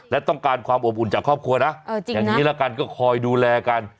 และต้องการความอบอุ่นจากครอบครัวนะอย่างนี้ละกันก็คอยดูแลกัน